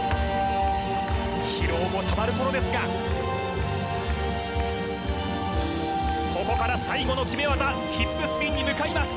疲労もたまる頃ですがここから最後の決め技ヒップスピンに向かいます